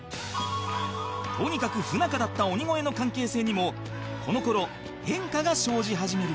とにかく不仲だった鬼越の関係性にもこの頃変化が生じ始める